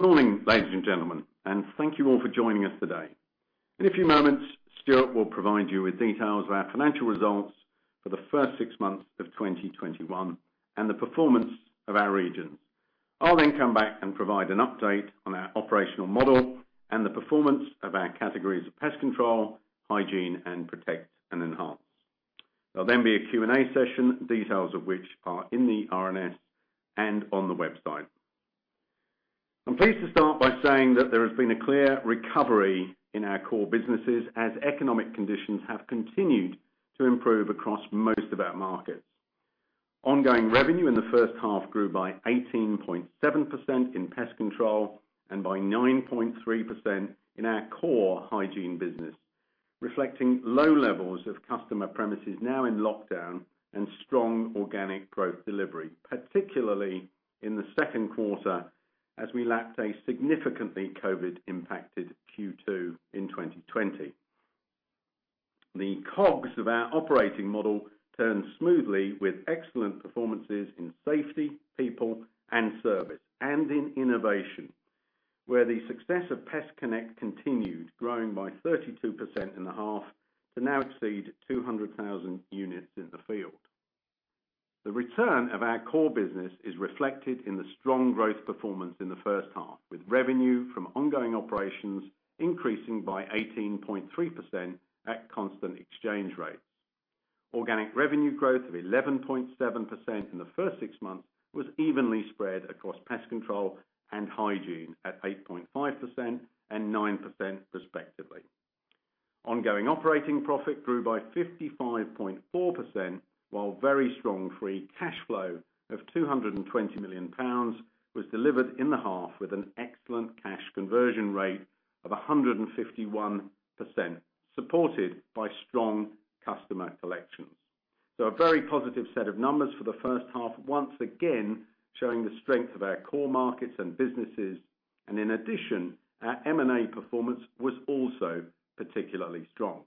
Good morning, ladies and gentlemen, and thank you all for joining us today. In a few moments, Stuart will provide you with details of our financial results for the first six months of 2021 and the performance of our regions. I'll then come back and provide an update on our operational model and the performance of our categories of Pest Control, Hygiene, and Protect & Enhance. There'll then be a Q&A session, details of which are in the RNS and on the website. I'm pleased to start by saying that there has been a clear recovery in our core businesses as economic conditions have continued to improve across most of our markets. Ongoing revenue in the first half grew by 18.7% in Pest Control and by 9.3% in our core Hygiene business, reflecting low levels of customer premises now in lockdown and strong organic growth delivery, particularly in the second quarter, as we lacked a significantly COVID-impacted Q2 in 2020. The cogs of our operating model turn smoothly with excellent performances in safety, people, and service, and in innovation, where the success of PestConnect continued growing by 32% in the half to now exceed 200,000 units in the field. The return of our core business is reflected in the strong growth performance in the first half, with revenue from ongoing operations increasing by 18.3% at constant exchange rates. Organic revenue growth of 11.7% in the first six months was evenly spread across Pest Control and Hygiene at 8.5% and 9% respectively. Ongoing operating profit grew by 55.4%, while very strong free cash flow of 220 million pounds was delivered in the half with an excellent cash conversion rate of 151%, supported by strong customer collections. A very positive set of numbers for the first half, once again, showing the strength of our core markets and businesses, and in addition, our M&A performance was also particularly strong.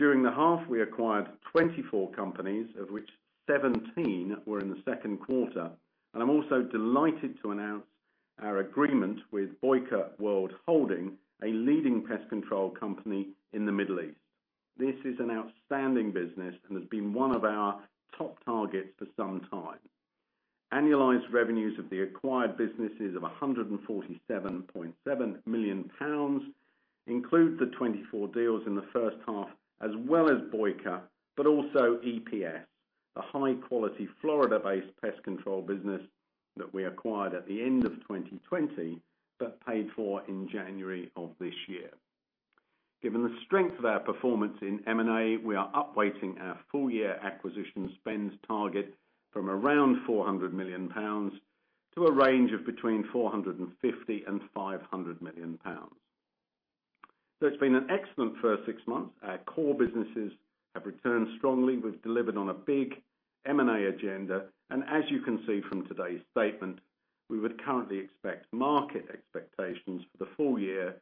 During the half, we acquired 24 companies, of which 17 were in the second quarter. I'm also delighted to announce our agreement with Boecker World Holding, a leading pest control company in the Middle East. This is an outstanding business and has been one of our top targets for some time. Annualized revenues of the acquired businesses of 147.7 million pounds include the 24 deals in the first half as well as Boecker, but also EPS, a high-quality Florida-based pest control business that we acquired at the end of 2020 but paid for in January of this year. Given the strength of our performance in M&A, we are upweighting our full-year acquisition spends target from around 400 million pounds to a range of between 450 million and 500 million pounds. It's been an excellent first six months. Our core businesses have returned strongly. We've delivered on a big M&A agenda, as you can see from today's statement, we would currently expect market expectations for the full year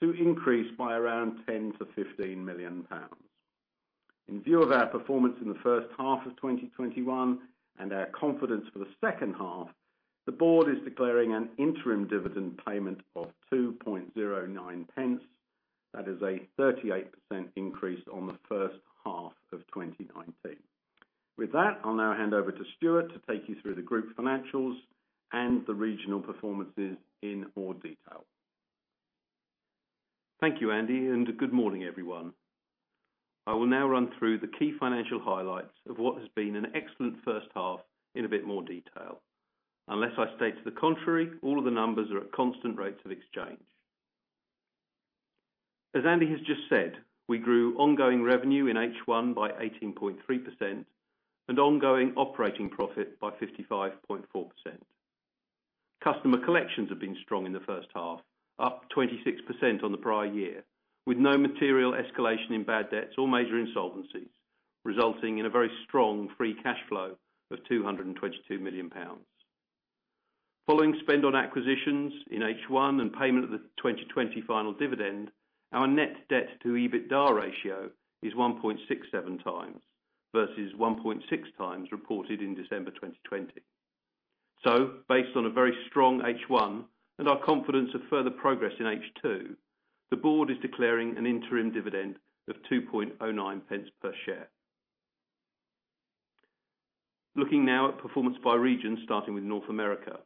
to increase by around 10 million-15 million pounds. In view of our performance in the first half of 2021 and our confidence for the second half, the board is declaring an interim dividend payment of 0.0209. That is a 38% increase on the first half of 2019. With that, I'll now hand over to Stuart to take you through the group financials and the regional performances in more detail. Thank you, Andy, and good morning, everyone. I will now run through the key financial highlights of what has been an excellent first half in a bit more detail. Unless I state to the contrary, all of the numbers are at constant rates of exchange. As Andy has just said, we grew ongoing revenue in H1 by 18.3% and ongoing operating profit by 55.4%. Customer collections have been strong in the first half, up 26% on the prior year, with no material escalation in bad debts or major insolvencies, resulting in a very strong free cash flow of 222 million pounds. Following spend on acquisitions in H1 and payment of the 2020 final dividend, our net debt to EBITDA ratio is 1.67x versus 1.6x reported in December 2020. Based on a very strong H1 and our confidence of further progress in H2, the board is declaring an interim dividend of 0.0209 per share. Looking now at performance by region, starting with North America.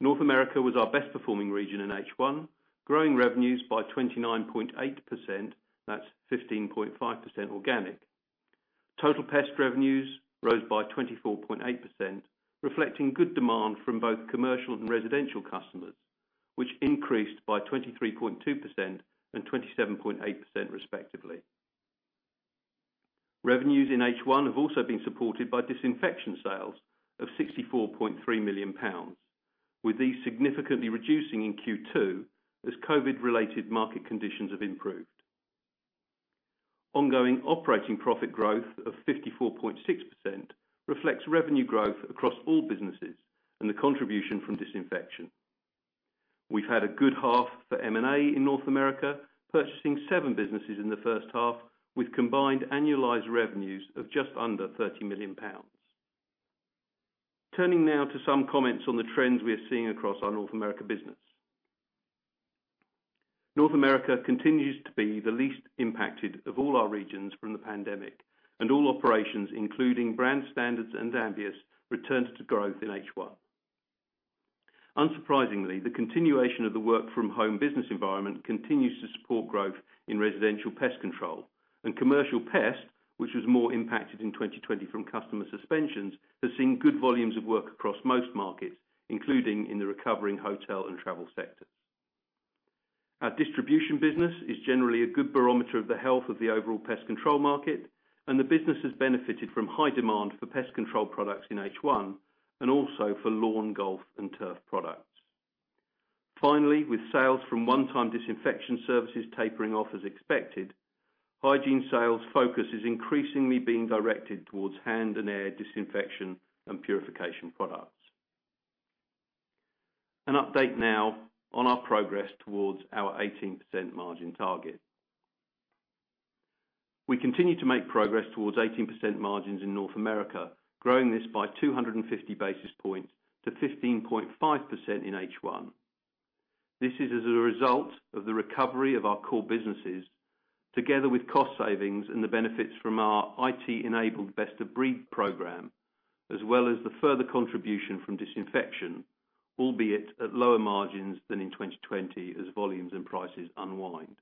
North America was our best performing region in H1, growing revenues by 29.8%, that is 15.5% organic. Total pest revenues rose by 24.8%, reflecting good demand from both commercial and residential customers, which increased by 23.2% and 27.8% respectively. Revenues in H1 have also been supported by disinfection sales of 64.3 million pounds, with these significantly reducing in Q2 as COVID-related market conditions have improved. Ongoing operating profit growth of 54.6% reflects revenue growth across all businesses and the contribution from disinfection. We have had a good half for M&A in North America, purchasing seven businesses in the first half, with combined annualized revenues of just under 30 million pounds. Turning now to some comments on the trends we are seeing across our North America business. North America continues to be the least impacted of all our regions from the pandemic, and all operations, including brand standards and Ambius, returned to growth in H1. Unsurprisingly, the continuation of the work from home business environment continues to support growth in residential pest control, and commercial pest, which was more impacted in 2020 from customer suspensions, has seen good volumes of work across most markets, including in the recovering hotel and travel sectors. Our distribution business is generally a good barometer of the health of the overall pest control market, and the business has benefited from high demand for pest control products in H1, and also for lawn, golf, and turf products. With sales from one-time disinfection services tapering off as expected, Hygiene sales focus is increasingly being directed towards hand and air disinfection and purification products. An update now on our progress towards our 18% margin target. We continue to make progress towards 18% margins in North America, growing this by 250 basis points to 15.5% in H1. This is as a result of the recovery of our core businesses, together with cost savings and the benefits from our IT-enabled Best of Breed program, as well as the further contribution from disinfection, albeit at lower margins than in 2020 as volumes and prices unwind.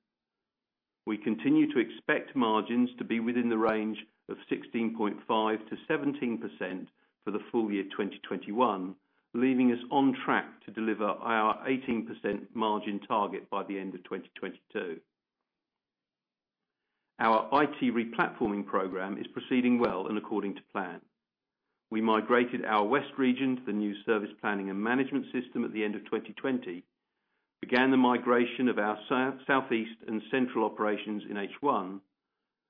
We continue to expect margins to be within the range of 16.5%-17% for the full year 2021, leaving us on track to deliver our 18% margin target by the end of 2022. Our IT replatforming program is proceeding well and according to plan. We migrated our West region to the new service planning and management system at the end of 2020, began the migration of our Southeast and Central operations in H1,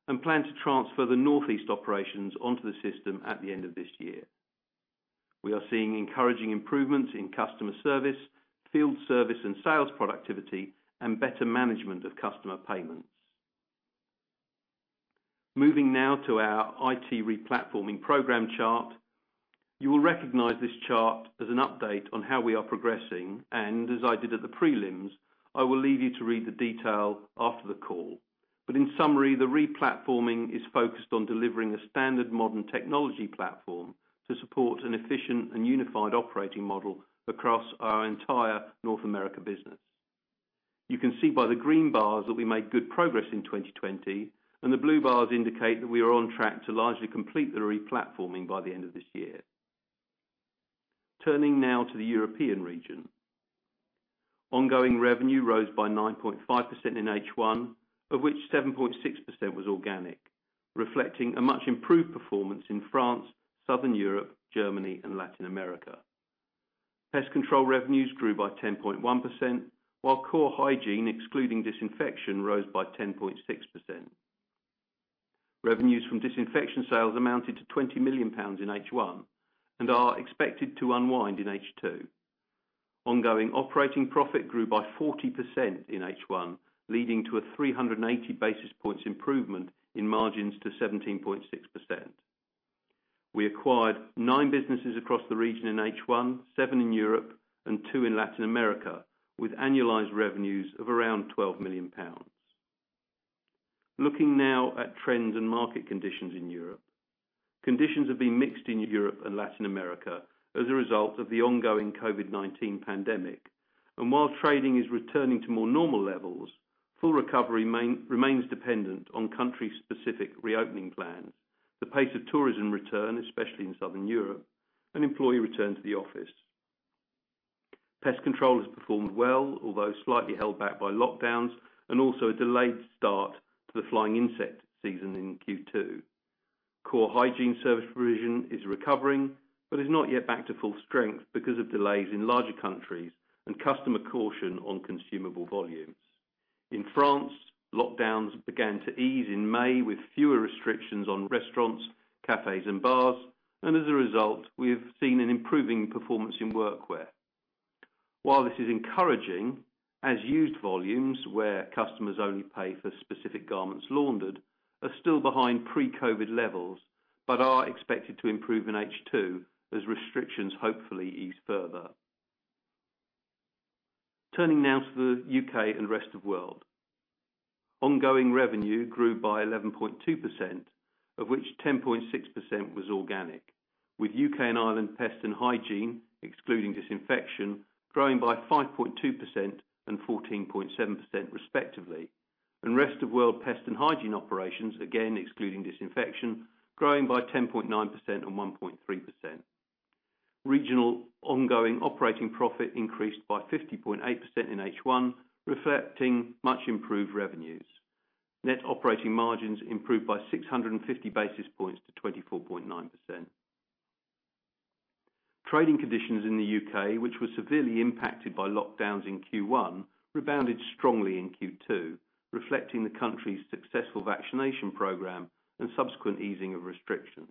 and plan to transfer the Northeast operations onto the system at the end of this year. We are seeing encouraging improvements in customer service, field service, and sales productivity, and better management of customer payments. Moving now to our IT replatforming program chart. You will recognize this chart as an update on how we are progressing, and as I did at the prelims, I will leave you to read the detail after the call. In summary, the replatforming is focused on delivering a standard modern technology platform to support an efficient and unified operating model across our entire North America business. You can see by the green bars that we made good progress in 2020, and the blue bars indicate that we are on track to largely complete the replatforming by the end of this year. Turning now to the European region. Ongoing revenue rose by 9.5% in H1, of which 7.6% was organic, reflecting a much improved performance in France, Southern Europe, Germany, and Latin America. Pest Control revenues grew by 10.1%, while core Hygiene, excluding disinfection, rose by 10.6%. Revenues from disinfection sales amounted to 20 million pounds in H1 and are expected to unwind in H2. Ongoing operating profit grew by 40% in H1, leading to a 380 basis points improvement in margins to 17.6%. We acquired nine businesses across the region in H1, seven in Europe and two in Latin America, with annualized revenues of around 12 million pounds. Looking now at trends and market conditions in Europe. Conditions have been mixed in Europe and Latin America as a result of the ongoing COVID-19 pandemic. While trading is returning to more normal levels, full recovery remains dependent on country-specific reopening plans, the pace of tourism return, especially in Southern Europe, and employee return to the office. Pest Control has performed well, although slightly held back by lockdowns, and also a delayed start to the flying insect season in Q2. Core Hygiene service provision is recovering but is not yet back to full strength because of delays in larger countries and customer caution on consumable volumes. In France, lockdowns began to ease in May, with fewer restrictions on restaurants, cafes, and bars, and as a result, we have seen an improving performance in workwear. While this is encouraging, as used volumes where customers only pay for specific garments laundered are still behind pre-COVID levels but are expected to improve in H2 as restrictions hopefully ease further. Turning now to the U.K. & Rest of World. Ongoing revenue grew by 11.2%, of which 10.6% was organic, with U.K. & Ireland pest and hygiene, excluding disinfection, growing by 5.2% and 14.7% respectively, and Rest of World pest and hygiene operations, again excluding disinfection, growing by 10.9% and 1.3%. Regional ongoing operating profit increased by 50.8% in H1, reflecting much improved revenues. Net operating margins improved by 650 basis points to 24.9%. Trading conditions in the U.K., which were severely impacted by lockdowns in Q1, rebounded strongly in Q2, reflecting the country's successful vaccination program and subsequent easing of restrictions.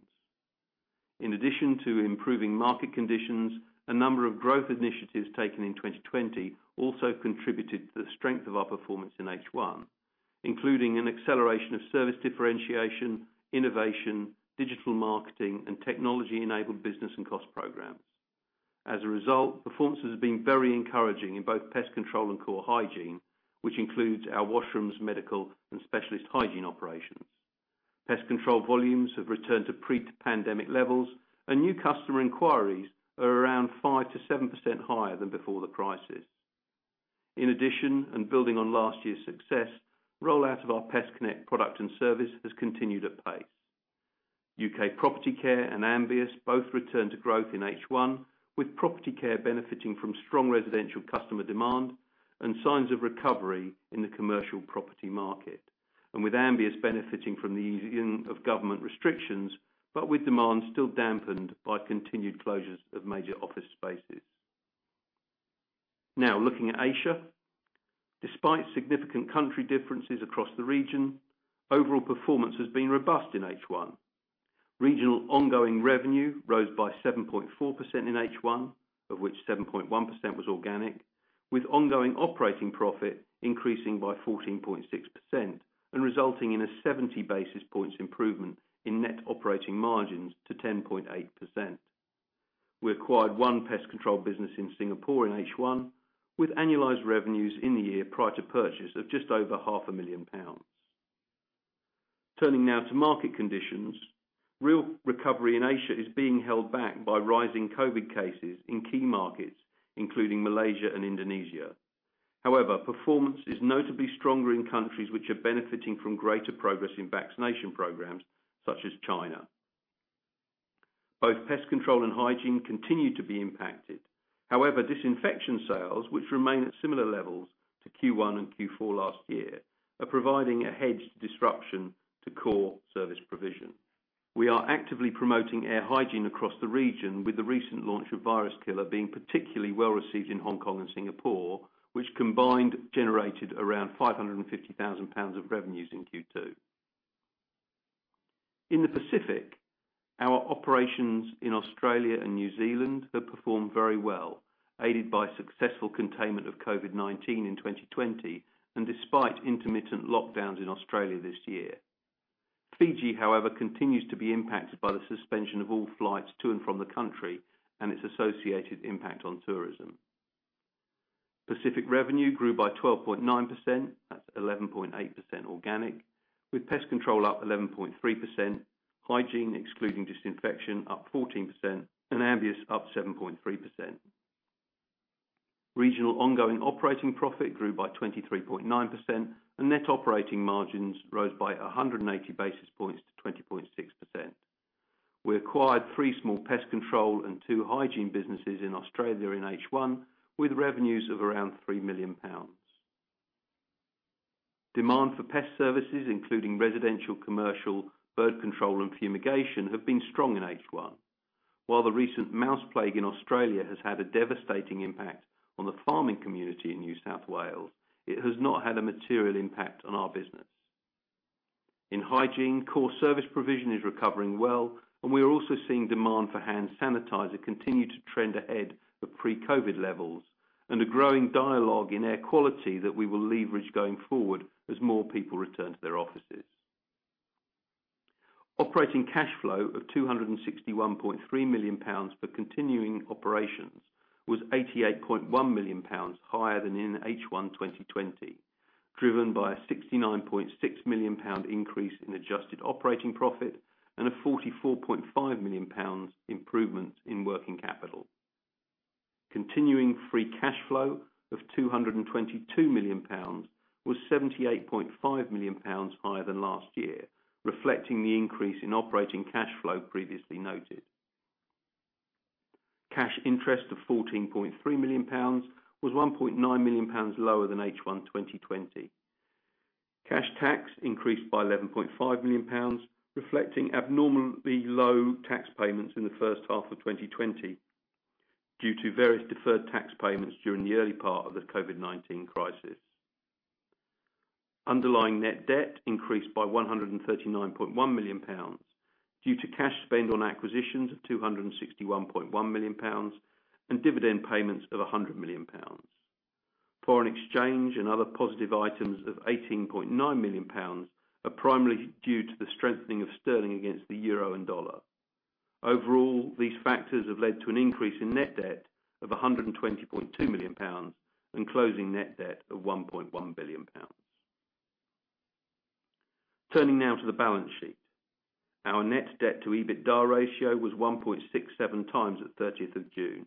In addition to improving market conditions, a number of growth initiatives taken in 2020 also contributed to the strength of our performance in H1, including an acceleration of service differentiation, innovation, digital marketing, and technology-enabled business and cost programs. As a result, performance has been very encouraging in both Pest Control and core Hygiene, which includes our washrooms, medical, and specialist hygiene operations. Pest control volumes have returned to pre-pandemic levels, and new customer inquiries are around 5%-7% higher than before the crisis. In addition, and building on last year's success, rollout of our PestConnect product and service has continued at pace. UK Property Care and Ambius both returned to growth in H1, with Property Care benefiting from strong residential customer demand and signs of recovery in the commercial property market, and with Ambius benefiting from the easing of government restrictions, but with demand still dampened by continued closures of major office spaces. Looking at Asia. Despite significant country differences across the region, overall performance has been robust in H1. Regional ongoing revenue rose by 7.4% in H1, of which 7.1% was organic, with ongoing operating profit increasing by 14.6% and resulting in a 70 basis points improvement in net operating margins to 10.8%. We acquired one Pest Control business in Singapore in H1, with annualized revenues in the year prior to purchase of just over 500,000 pounds. Turning now to market conditions. Real recovery in Asia is being held back by rising COVID-19 cases in key markets, including Malaysia and Indonesia. However, performance is notably stronger in countries which are benefiting from greater progress in vaccination programs such as China. Both Pest Control and Hygiene continue to be impacted. However, disinfection sales, which remain at similar levels to Q1 and Q4 last year, are providing a hedged disruption to core service provision. We are actively promoting air hygiene across the region, with the recent launch of VIRUSKILLER being particularly well-received in Hong Kong and Singapore, which combined generated around 550,000 pounds of revenues in Q2. In the Pacific, our operations in Australia and New Zealand have performed very well, aided by successful containment of COVID-19 in 2020 and despite intermittent lockdowns in Australia this year. Fiji, however, continues to be impacted by the suspension of all flights to and from the country and its associated impact on tourism. Pacific revenue grew by 12.9%, that's 11.8% organic, with Pest Control up 11.3%, Hygiene excluding disinfection up 14%, and Ambius up 7.3%. Regional ongoing operating profit grew by 23.9%. Net operating margins rose by 180 basis points to 20.6%. We acquired three small pest control and two hygiene businesses in Australia in H1, with revenues of around 3 million pounds. Demand for pest services, including residential, commercial, bird control, and fumigation, have been strong in H1. While the recent mouse plague in Australia has had a devastating impact on the farming community in New South Wales, it has not had a material impact on our business. In Hygiene, core service provision is recovering well, and we are also seeing demand for hand sanitizer continue to trend ahead of pre-COVID-19 levels and a growing dialogue in air quality that we will leverage going forward as more people return to their offices. Operating cash flow of 261.3 million pounds for continuing operations was 88.1 million pounds higher than in H1 2020, driven by a 69.6 million pound increase in adjusted operating profit and a 44.5 million pounds improvement in working capital. Continuing free cash flow of 222 million pounds was 78.5 million pounds higher than last year, reflecting the increase in operating cash flow previously noted. Cash interest of GBP 14.3 million was GBP 1.9 million lower than H1 2020. Cash tax increased by GBP 11.5 million, reflecting abnormally low tax payments in the first half of 2020 due to various deferred tax payments during the early part of the COVID-19 crisis. Underlying net debt increased by GBP 139.1 million due to cash spend on acquisitions of GBP 261.1 million and dividend payments of GBP 100 million. Foreign exchange and other positive items of GBP 18.9 million are primarily due to the strengthening of sterling against the euro and dollar. Overall, these factors have led to an increase in net debt of 120.2 million pounds and closing net debt of 1.1 billion pounds. Turning now to the balance sheet. Our net debt to EBITDA ratio was 1.67x at 30th of June.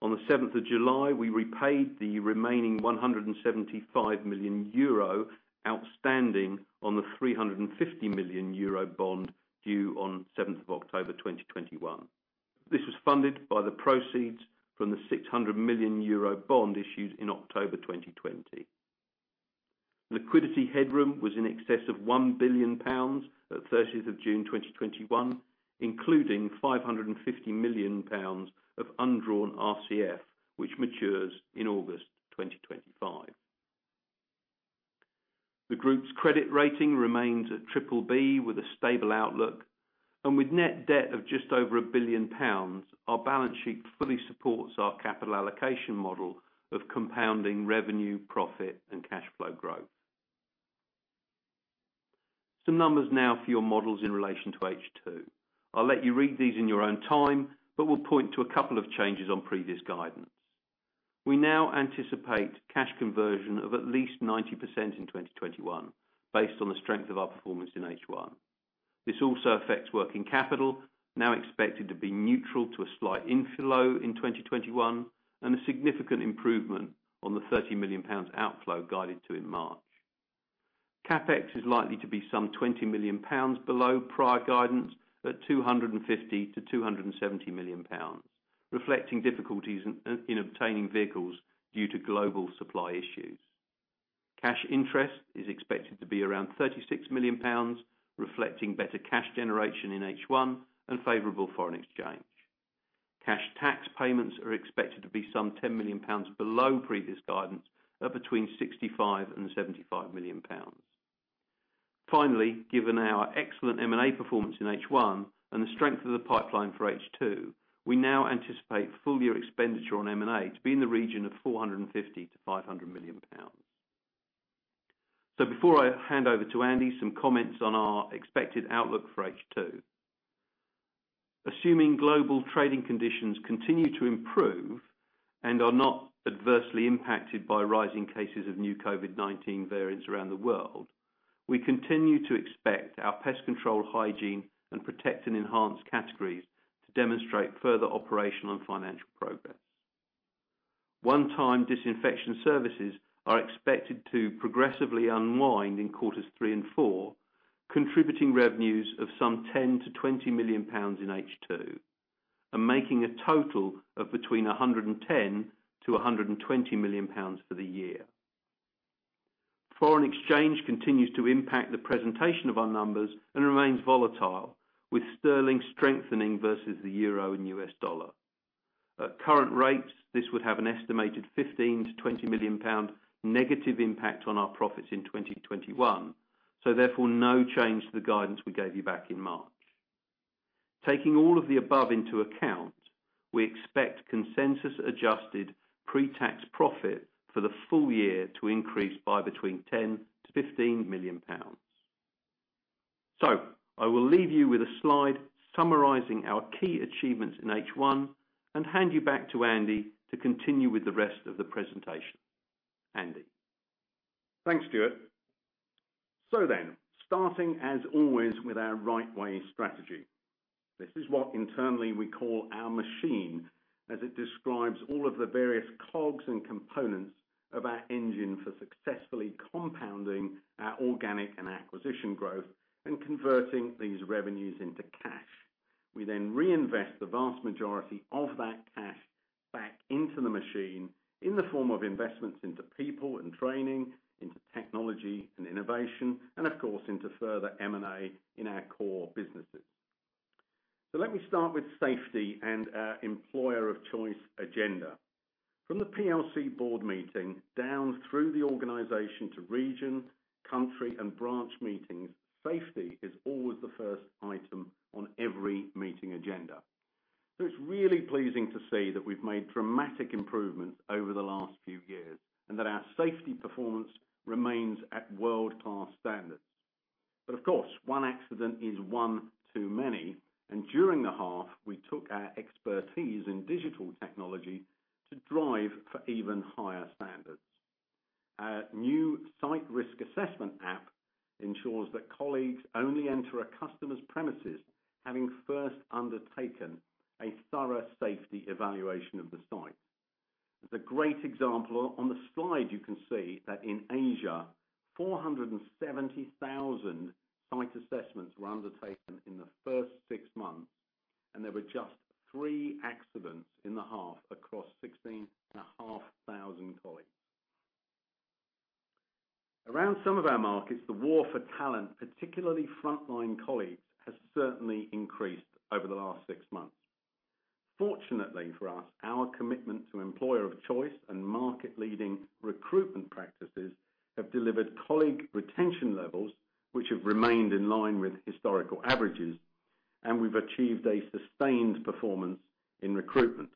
On the 7th of July, we repaid the remaining 175 million euro outstanding on the 350 million euro bond due on 7th of October 2021. This was funded by the proceeds from the 600 million euro bond issued in October 2020. Liquidity headroom was in excess of 1 billion pounds at 30th of June, 2021, including 550 million pounds of undrawn RCF, which matures in August 2025. The group's credit rating remains at BBB with a stable outlook. With net debt of just over 1 billion pounds, our balance sheet fully supports our capital allocation model of compounding revenue, profit, and cash flow growth. Some numbers now for your models in relation to H2. I'll let you read these in your own time, but we'll point to a couple of changes on previous guidance. We now anticipate cash conversion of at least 90% in 2021, based on the strength of our performance in H1. This also affects working capital, now expected to be neutral to a slight inflow in 2021, and a significant improvement on the 30 million pounds outflow guided to in March. CapEx is likely to be some 20 million pounds below prior guidance at 250 million-270 million pounds, reflecting difficulties in obtaining vehicles due to global supply issues. Cash interest is expected to be around 36 million pounds, reflecting better cash generation in H1, and favorable foreign exchange. Cash tax payments are expected to be some 10 million pounds below previous guidance, at between 65 million and 75 million pounds. Finally, given our excellent M&A performance in H1, and the strength of the pipeline for H2, we now anticipate full year expenditure on M&A to be in the region of 450 million-500 million pounds. Before I hand over to Andy, some comments on our expected outlook for H2. Assuming global trading conditions continue to improve, and are not adversely impacted by rising cases of new COVID-19 variants around the world, we continue to expect our Pest Control, Hygiene, and Protect & Enhance categories to demonstrate further operational and financial progress. One-time disinfection services are expected to progressively unwind in quarters three and four, contributing revenues of some 10 million-20 million pounds in H2. Making a total of between 110 million-120 million pounds for the year. Foreign exchange continues to impact the presentation of our numbers and remains volatile, with sterling strengthening versus the euro and U.S. dollar. At current rates, this would have an estimated 15 million-20 million pound negative impact on our profits in 2021. Therefore, no change to the guidance we gave you back in March. Taking all of the above into account, we expect consensus-adjusted pre-tax profit for the full year to increase by between 10 million-15 million pounds. I will leave you with a slide summarizing our key achievements in H1, and hand you back to Andy to continue with the rest of the presentation. Andy. Thanks, Stuart. Starting as always with our The Right Way strategy. This is what internally we call our machine, as it describes all of the various cogs and components of our engine for successfully compounding our organic and acquisition growth and converting these revenues into cash. We reinvest the vast majority of that cash back into the machine in the form of investments into people and training, into technology and innovation, and of course, into further M&A in our core businesses. Let me start with safety and our employer of choice agenda. From the PLC board meeting, down through the organization to region, country, and branch meetings, safety is always the first item on every meeting agenda. It's really pleasing to see that we've made dramatic improvements over the last few years, and that our safety performance remains at world-class standards. Of course, one accident is one too many, and during the half, we took our expertise in digital technology to drive for even higher standards. Our new site risk assessment app ensures that colleagues only enter a customer's premises having first undertaken a thorough safety evaluation of the site. As a great example, on the slide you can see that in Asia, 470,000 site assessments were undertaken in the first six months, and there were just three accidents in the half across 16,500 colleagues. Around some of our markets, the war for talent, particularly frontline colleagues, has certainly increased over the last six months. Fortunately for us, our commitment to employer of choice and market-leading recruitment practices have delivered colleague retention levels which have remained in line with historical averages, and we've achieved a sustained performance in recruitment.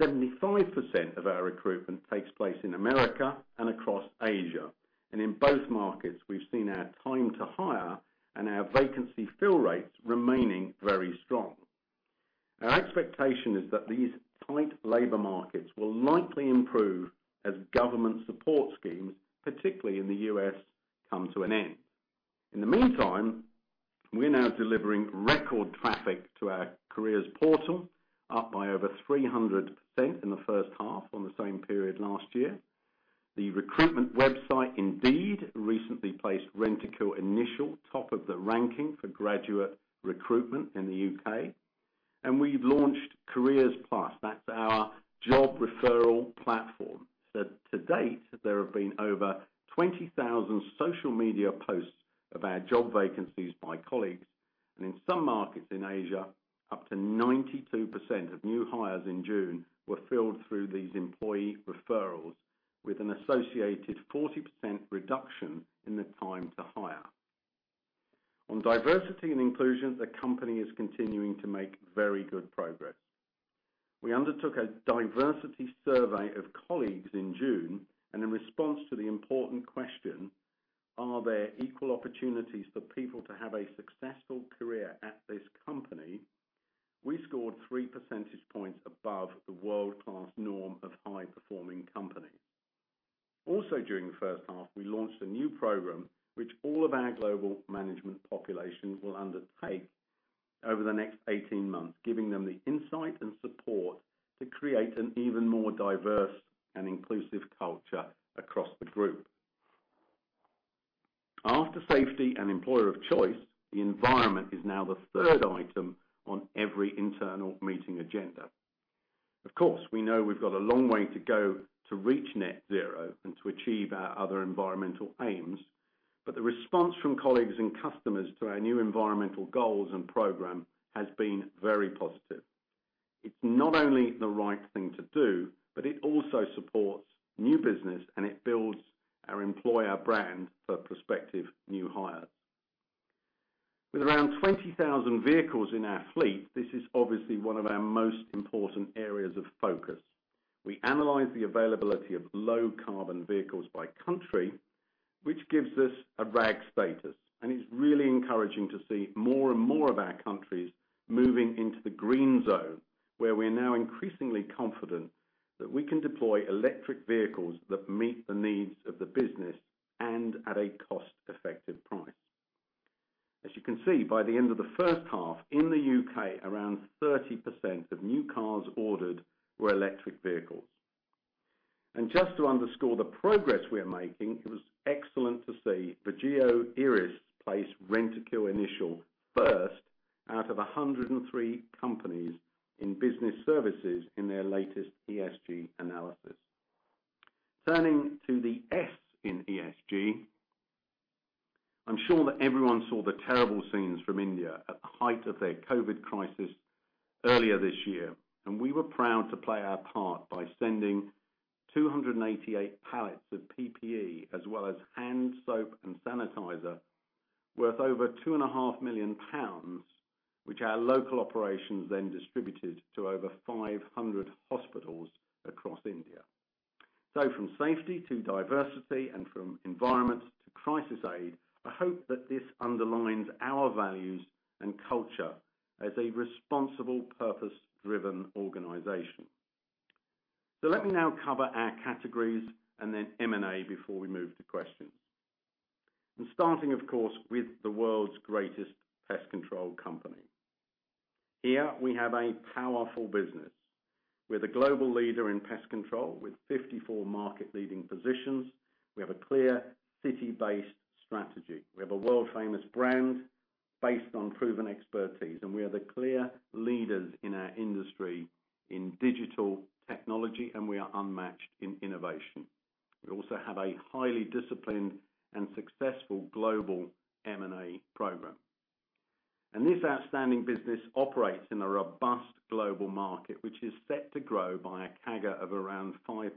75% of our recruitment takes place in America and across Asia. In both markets, we've seen our time to hire and our vacancy fill rates remaining very strong. Our expectation is that these tight labor markets will likely improve as government support schemes, particularly in the U.S., come to an end. In the meantime, we're now delivering record traffic to our careers portal, up by over 300% in the first half on the same period last year. The recruitment website, Indeed, recently placed Rentokil Initial top of the ranking for graduate recruitment in the U.K. We've launched Career+, that's our job referral platform. To date, there have been over 20,000 social media posts of our job vacancies by colleagues. In some markets in Asia, up to 92% of new hires in June were filled through these employee referrals, with an associated 40% reduction in the time to hire. On diversity and inclusion, the company is continuing to make very good progress. We undertook a diversity survey of colleagues in June, and in response to the important question, "Are there equal opportunities for people to have a successful career at this company?" We scored 3 percentage points above the world-class norm of high-performing companies. Also during the first half, we launched a new program which all of our global management population will undertake over the next 18 months, giving them the insight and support to create an even more diverse and inclusive culture across the group. After safety and employer of choice, the environment is now the third item on every internal meeting agenda. Of course, we know we've got a long way to go to reach net zero and to achieve our other environmental aims, but the response from colleagues and customers to our new environmental goals and program has been very positive. It's not only the right thing to do, but it also supports new business, and it builds our employer brand for prospective new hires. With around 20,000 vehicles in our fleet, this is obviously one of our most important areas of focus. We analyze the availability of low-carbon vehicles by country, which gives us a RAG status, and it's really encouraging to see more and more of our countries moving into the green zone, where we are now increasingly confident that we can deploy electric vehicles that meet the needs of the business and at a cost-effective price. As you can see, by the end of the first half, in the U.K., around 30% of new cars ordered were electric vehicles. Just to underscore the progress we are making, it was excellent to see Vigeo Eiris place Rentokil Initial first out of 103 companies in business services in their latest ESG analysis. Turning to the S in ESG, I'm sure that everyone saw the terrible scenes from India at the height of their COVID crisis earlier this year, and we were proud to play our part by sending 288 pallets of PPE, as well as hand soap and sanitizer worth over 2.5 million pounds, which our local operations then distributed to over 500 hospitals across India. From safety to diversity and from environment to crisis aid, I hope that this underlines our values and culture as a responsible, purpose-driven organization. Let me now cover our categories and then M&A before we move to questions. Starting, of course, with the world's greatest pest control company. Here we have a powerful business. We're the global leader in pest control with 54 market-leading positions. We have a clear city-based strategy. We have a world-famous brand based on proven expertise, and we are the clear leaders in our industry in digital technology, and we are unmatched in innovation. We also have a highly disciplined and successful global M&A program. This outstanding business operates in a robust global market, which is set to grow by a CAGR of around 5%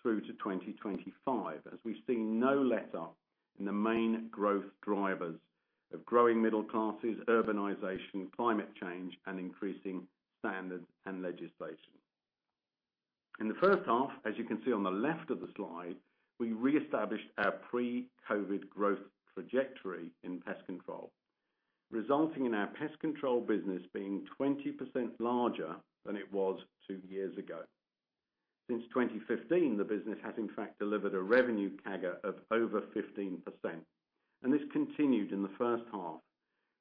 through to 2025, as we see no letup in the main growth drivers of growing middle classes, urbanization, climate change, and increasing standards and legislation. In the first half, as you can see on the left of the slide, we reestablished our pre-COVID growth trajectory in Pest Control, resulting in our Pest Control business being 20% larger than it was two years ago. Since 2015, the business has in fact delivered a revenue CAGR of over 15%, and this continued in the first half,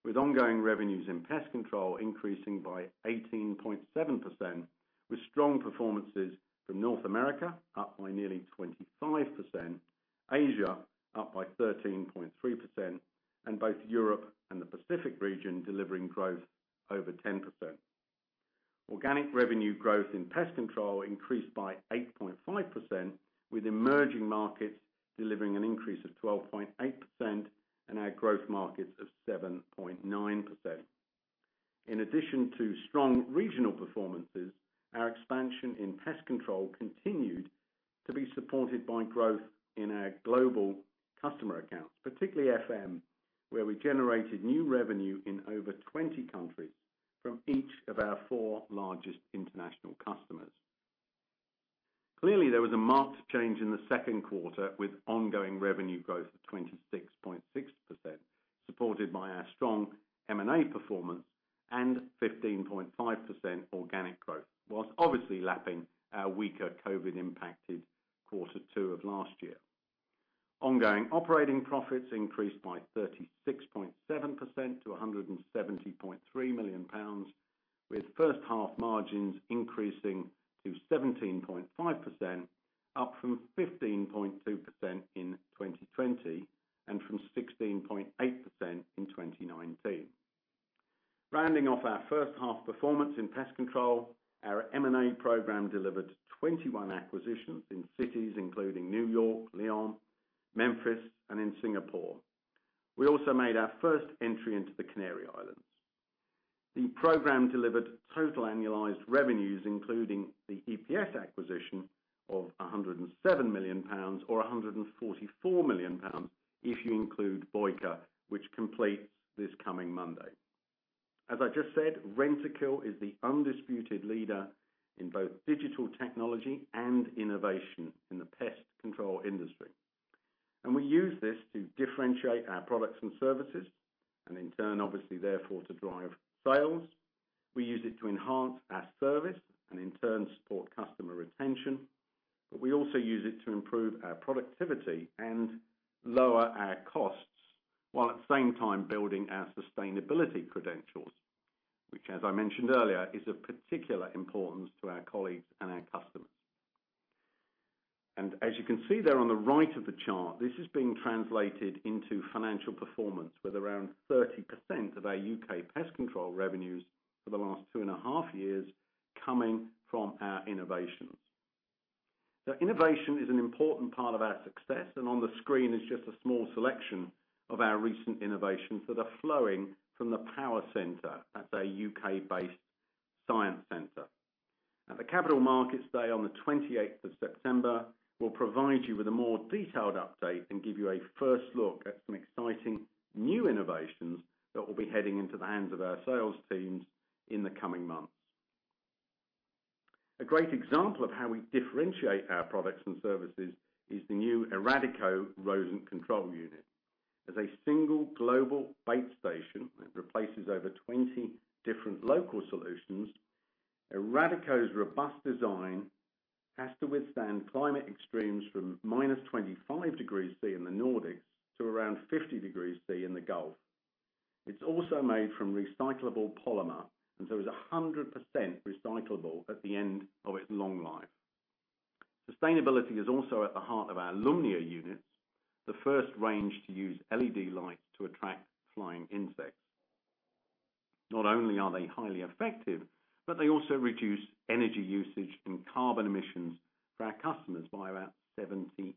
with ongoing revenues in Pest Control increasing by 18.7%, with strong performances from North America up by nearly 25%, Asia up by 13.3%, and both Europe and the Pacific region delivering growth over 10%. Organic revenue growth in Pest Control increased by 8.5%, with emerging markets delivering an increase of 12.8% and our growth markets of 7.9%. In addition to strong regional performances, our expansion in Pest Control continued to be supported by growth in our global customer accounts, particularly FM, where we generated new revenue in over 20 countries from each of our four largest international customers. There was a marked change in the second quarter with ongoing revenue growth of 26.6%, supported by our strong M&A performance and 15.5% organic growth, whilst obviously lapping our weaker COVID-impacted quarter two of last year. Ongoing operating profits increased by 36.7% to 170.3 million pounds, with first half margins increasing to 17.5%, up from 15.2% in 2020 and from 16.8% in 2019. Rounding off our first half performance in Pest Control, our M&A program delivered 21 acquisitions in cities including New York, Lyon, Memphis, and in Singapore. We also made our first entry into the Canary Islands. The program delivered total annualized revenues, including the EPS acquisition of 107 million pounds, or 144 million pounds if you include Boecker, which completes this coming Monday. As I just said, Rentokil is the undisputed leader in both digital technology and innovation in the pest control industry. We use this to differentiate our products and services, and in turn, obviously, therefore, to drive sales. We use it to enhance our service, and in turn, support customer retention. We also use it to improve our productivity and lower our costs, while at the same time building our sustainability credentials, which as I mentioned earlier, is of particular importance to our colleagues and our customers. As you can see there on the right of the chart, this is being translated into financial performance, with around 30% of our U.K. Pest Control revenues for the last 2.5 years coming from our innovations. Innovation is an important part of our success, and on the screen is just a small selection of our recent innovations that are flowing from the power center at our U.K.-based science center. At the Capital Markets Day on the 28th of September, we'll provide you with a more detailed update and give you a first look at some exciting new innovations that will be heading into the hands of our sales teams in the coming months. A great example of how we differentiate our products and services is the new Eradico rodent control unit. As a single global bait station that replaces over 20 different local solutions, Eradico's robust design has to withstand climate extremes from -25 degrees Celsius in the Nordics to around 50 degrees Celsius in the Gulf. It's also made from recyclable polymer, and so is 100% recyclable at the end of its long life. Sustainability is also at the heart of our Lumnia units, the first range to use LED lights to attract flying insects. Not only are they highly effective, but they also reduce energy usage and carbon emissions for our customers by around 70%.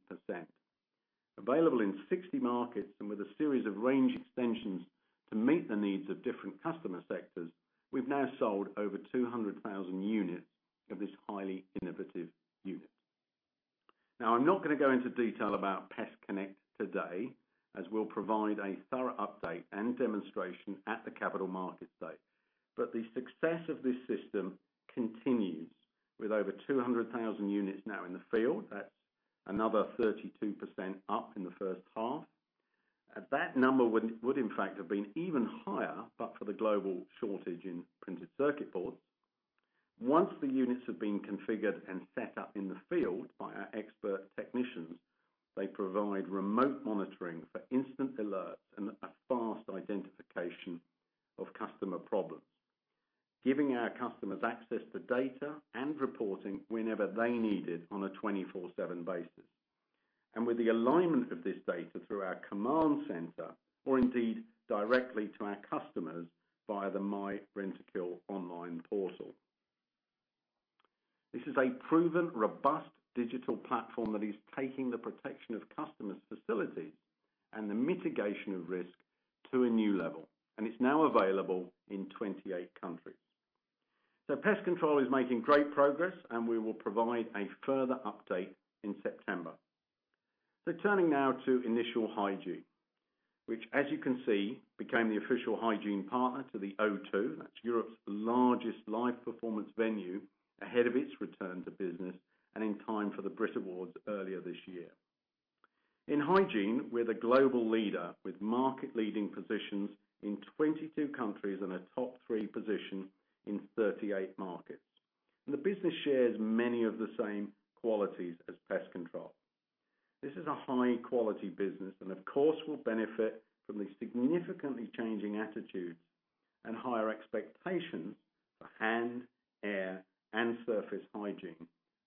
Available in 60 markets and with a series of range extensions to meet the needs of different customer sectors, we've now sold over 200,000 units of this highly innovative unit. Now, I'm not going to go into detail about PestConnect today, as we'll provide a thorough update and demonstration at the Capital Markets Day. The success of this system continues, with over 200,000 units now in the field. That's another 32% up in the first half. That number would, in fact, have been even higher, but for the global shortage in printed circuit boards. Once the units have been configured and set up in the field by our expert technicians, they provide remote monitoring for instant alerts and a fast identification of customer problems, giving our customers access to data and reporting whenever they need it on a 24/7 basis, and with the alignment of this data through our command center, or indeed, directly to our customers via the myRentokil online portal. This is a proven, robust digital platform that is taking the protection of customers' facilities and the mitigation of risk to a new level, and it's now available in 28 countries. Pest Control is making great progress, and we will provide a further update in September. Turning now to Initial Hygiene, which as you can see, became the official hygiene partner to The O2, that's Europe's largest live performance venue, ahead of its return to business and in time for the Brit Awards earlier this year. In Hygiene, we're the global leader with market-leading positions in 22 countries and a top-three position in 38 markets. The business shares many of the same qualities as Pest Control. This is a high-quality business and of course, will benefit from the significantly changing attitudes and higher expectations for hand, air, and surface hygiene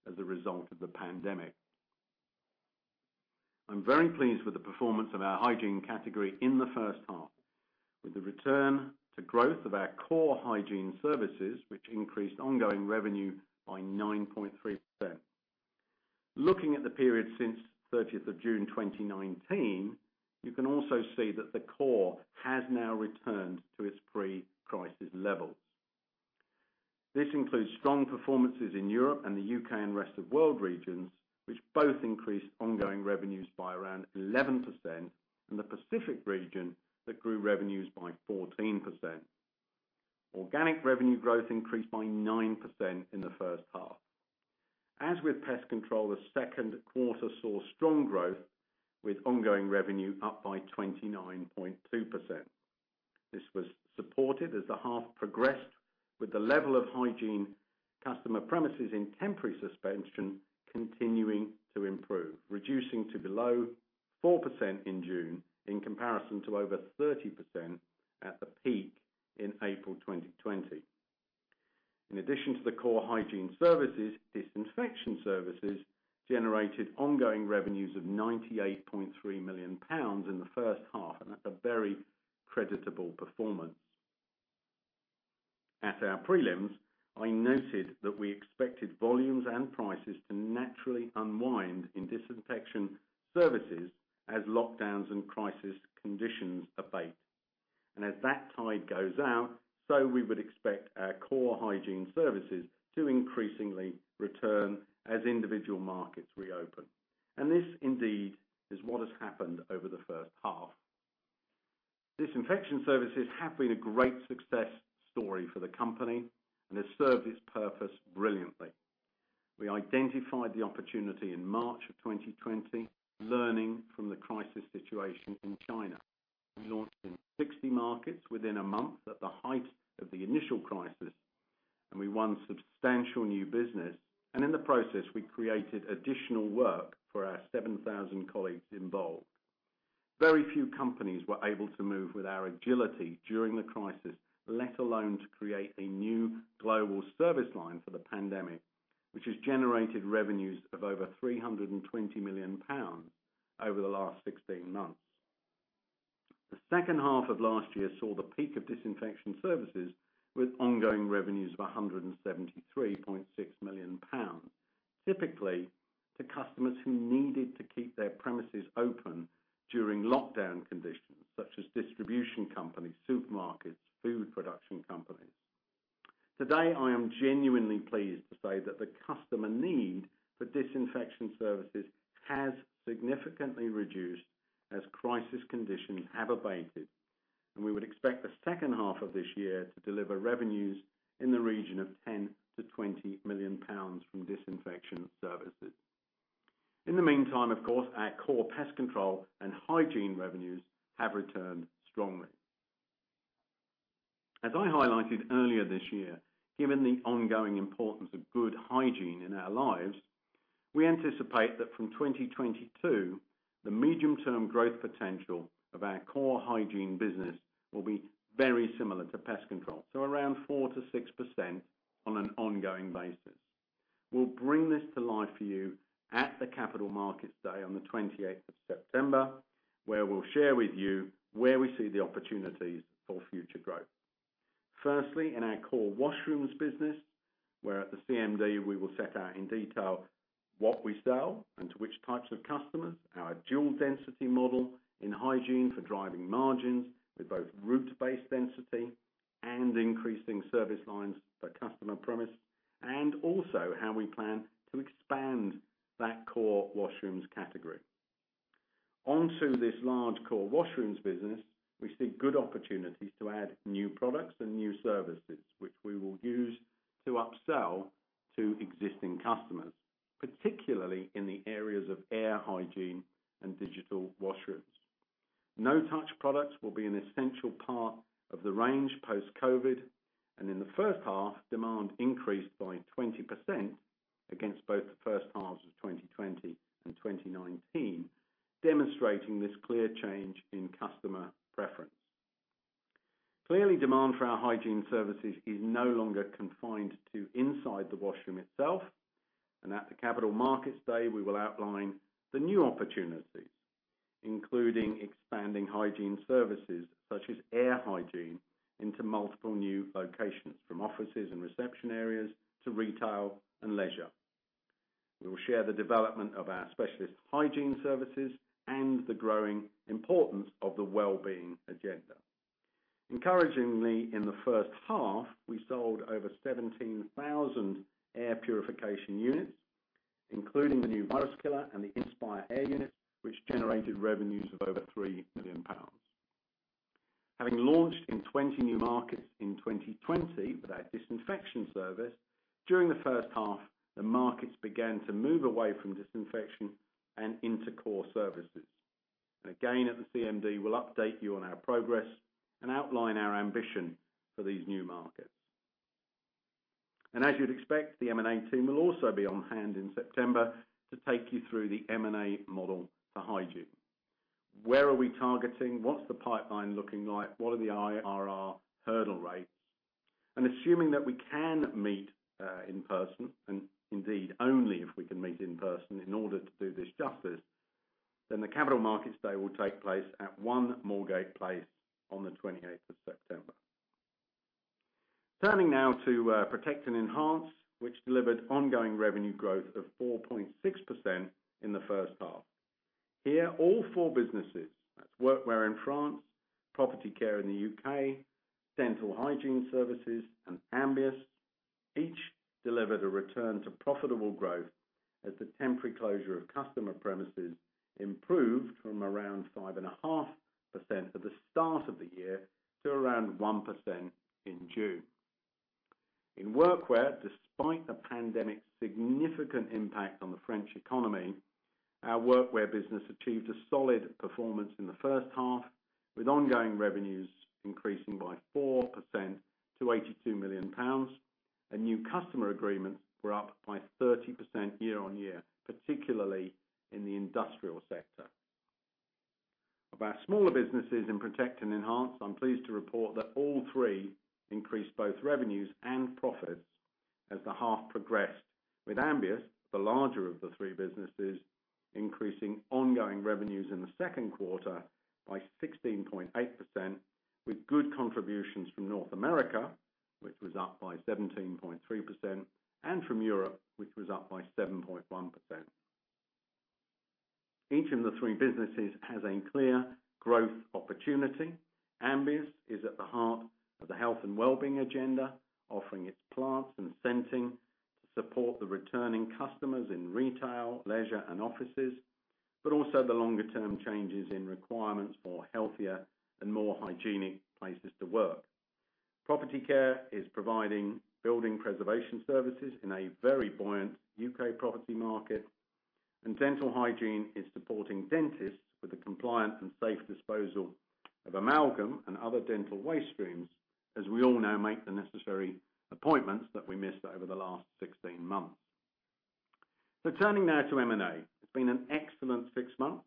as a result of the pandemic. I'm very pleased with the performance of our Hygiene in the first half. With the return to growth of our core Hygiene services, which increased ongoing revenue by 9.3%. Looking at the period since 30th of June 2019, you can also see that the core has now returned to its pre-crisis levels. This includes strong performances in Europe and the U.K. & Rest of World regions, which both increased ongoing revenues by around 11%, and the Pacific region that grew revenues by 14%. Organic revenue growth increased by 9% in the first half. As with Pest Control, the second quarter saw strong growth, with ongoing revenue up by 29.2%. This was supported as the half progressed with the level of hygiene customer premises in temporary suspension continuing to improve, reducing to below 4% in June in comparison to over 30% at the peak in April 2020. In addition to the core Hygiene services, disinfection services generated ongoing revenues of 98.3 million pounds in the first half, and that's a very creditable performance. At our prelims, I noted that we expected volumes and prices to naturally unwind in disinfection services as lockdowns and crisis conditions abate. As that tide goes out, so we would expect our core Hygiene services to increasingly return as individual markets reopen. This indeed is what has happened over the first half. Disinfection services have been a great success story for the company and have served its purpose brilliantly. We identified the opportunity in March of 2020, learning from the crisis situation in China. We launched in 60 markets within a month at the height of the initial crisis, and we won substantial new business, and in the process, we created additional work for our 7,000 colleagues involved. Very few companies were able to move with our agility during the crisis, let alone to create a new global service line for the pandemic, which has generated revenues of over 320 million pounds over the last 16 months. The second half of last year saw the peak of disinfection services with ongoing revenues of 173.6 million pounds, typically to customers who needed to keep their premises open during lockdown conditions, such as distribution companies, supermarkets, food production companies. Today, I am genuinely pleased to say that the customer need for disinfection services has significantly reduced as crisis conditions have abated. We would expect the second half of this year to deliver revenues in the region of 10 million-20 million pounds from disinfection services. In the meantime, of course, our core Pest Control and Hygiene revenues have returned strongly. As I highlighted earlier this year, given the ongoing importance of good hygiene in our lives, we anticipate that from 2022, the medium-term growth potential of our core Hygiene business will be very similar to Pest Control, so around 4%-6% on an ongoing basis. We will bring this to life for you at the Capital Markets Day on the 28th of September, where we will share with you where we see the opportunities for future growth. Firstly, in our core washrooms business, where at the CMD we will set out in detail what we sell and to which types of customers, our dual density model in Hygiene for driving margins with both route-based density and increasing service lines per customer premise, and also how we plan to expand that core washrooms category. Onto this large core washrooms business, we see good opportunities to add new products and new services, which we will use to upsell to existing customers, particularly in the areas of air hygiene and digital washrooms. No-touch products will be an essential part of the range post-COVID, and in the first half, demand increased by 20% against both the first halves of 2020 and 2019, demonstrating this clear change in customer preference. Clearly, demand for our Hygiene services is no longer confined to inside the washroom itself, at the Capital Markets Day we will outline the new opportunities, including expanding Hygiene services such as air hygiene into multiple new locations, from offices and reception areas to retail and leisure. We will share the development of our specialist hygiene services and the growing importance of the well-being agenda. Encouragingly, in the first half, we sold over 17,000 air purification units, including the new VIRUSKILLER and the InspireAir units, which generated revenues of over 3 million pounds. Having launched in 20 new markets in 2020 with our disinfection service, during the first half, the markets began to move away from disinfection and into core services. Again, at the CMD, we'll update you on our progress and outline our ambition for these new markets. As you'd expect, the M&A team will also be on hand in September to take you through the M&A model for Hygiene. Where are we targeting? What's the pipeline looking like? What are the IRR hurdle rates? Assuming that we can meet in person, and indeed, only if we can meet in person in order to do this justice, the Capital Markets Day will take place at One Moorgate Place on the 28th of September. Turning now to Protect & Enhance, which delivered ongoing revenue growth of 4.6% in the first half. Here, all four businesses, that's Workwear in France, Property Care in the U.K., Dental Hygiene Services, and Ambius, each delivered a return to profitable growth as the temporary closure of customer premises improved from around 5.5% at the start of the year to around 1% in June. In Workwear, despite the pandemic's significant impact on the French economy, our Workwear business achieved a solid performance in the first half, with ongoing revenues increasing by 4% to 82 million pounds. New customer agreements were up by 30% year-on-year, particularly in the industrial sector. Of our smaller businesses in Protect & Enhance, I'm pleased to report that all three increased both revenues and profits as the half progressed, with Ambius, the larger of the three businesses, increasing ongoing revenues in the second quarter by 16.8%, with good contributions from North America, which was up by 17.3%, and from Europe, which was up by 7.1%. Each of the three businesses has a clear growth opportunity. Ambius is at the heart of the health and wellbeing agenda, offering its plants and scenting to support the returning customers in retail, leisure, and offices, but also the longer-term changes in requirements for healthier and more hygienic places to work. Property Care is providing building preservation services in a very buoyant U.K. property market, and Dental Hygiene is supporting dentists with the compliant and safe disposal of amalgam and other dental waste streams as we all now make the necessary appointments that we missed over the last 16 months. Turning now to M&A. It's been an excellent six months.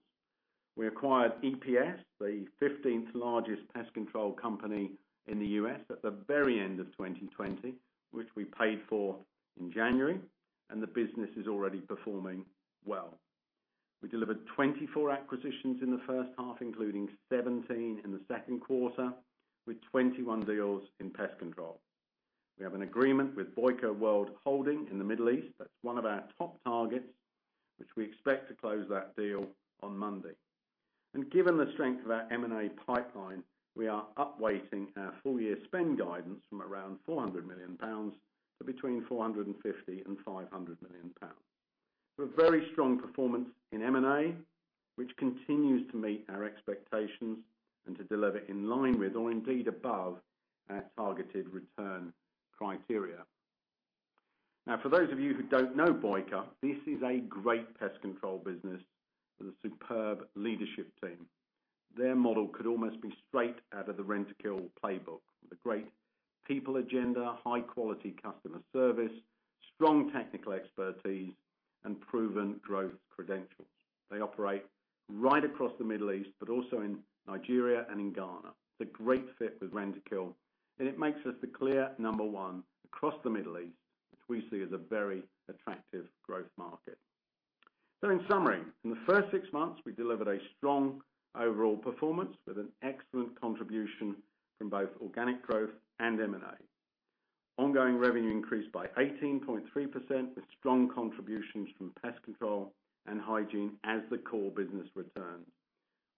We acquired EPS, the 15th largest pest control company in the U.S., at the very end of 2020, which we paid for in January, and the business is already performing well. We delivered 24 acquisitions in the first half, including 17 in the second quarter, with 21 deals in Pest Control. We have an agreement with Boecker World Holding in the Middle East. That's one of our top targets, which we expect to close that deal on Monday. Given the strength of our M&A pipeline, we are upweighting our full-year spend guidance from around 400 million pounds to between 450 million and 500 million pounds. A very strong performance in M&A, which continues to meet our expectations and to deliver in line with or indeed above our targeted return criteria. Now, for those of you who don't know Boecker, this is a great pest control business with a superb leadership team. Their model could almost be straight out of the Rentokil playbook, with a great people agenda, high-quality customer service, strong technical expertise, and proven growth credentials. They operate right across the Middle East, also in Nigeria and in Ghana. It's a great fit with Rentokil, and it makes us the clear number one across the Middle East, which we see as a very attractive growth market. In summary, in the first six months, we delivered a strong overall performance with an excellent contribution from both organic growth and M&A. Ongoing revenue increased by 18.3%, with strong contributions from Pest Control and Hygiene as the core business returned.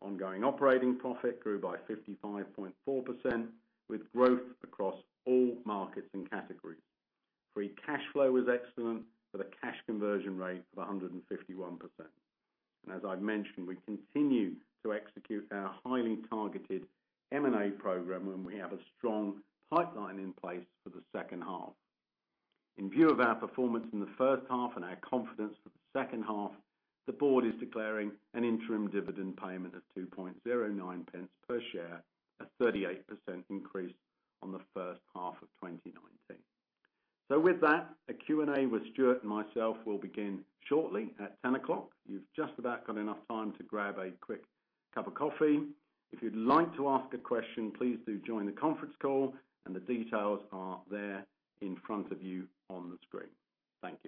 Ongoing operating profit grew by 55.4%, with growth across all markets and categories. Free cash flow was excellent, with a cash conversion rate of 151%. As I've mentioned, we continue to execute our highly targeted M&A program, and we have a strong pipeline in place for the second half. In view of our performance in the first half and our confidence for the second half, the board is declaring an interim dividend payment of 0.0209 per share, a 38% increase on the first half of 2019. With that, a Q&A with Stuart and myself will begin shortly at 10:00 A.M. You've just about got enough time to grab a quick cup of coffee. If you'd like to ask a question, please do join the conference call and the details are there in front of you on the screen. Thank you.